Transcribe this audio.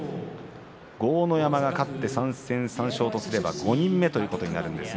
豪ノ山が勝って３戦３勝とすれば５人目ということになります。